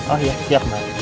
oh iya siap mbak